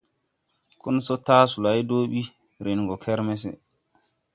Konsɔ taa solay do bi, ren gɔ kermeneg.